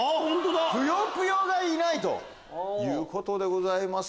『ぷよぷよ』がいないということでございます。